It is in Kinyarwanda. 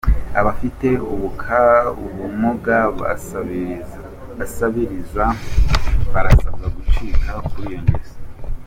Abafite ubumuga basabiriza barasabwa gucika kuri iyo ngeso